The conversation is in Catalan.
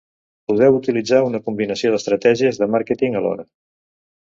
Podeu utilitzar una combinació d'estratègies de màrqueting alhora.